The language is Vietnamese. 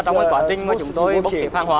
trong quá trình chúng tôi bốc xỉp hàng hóa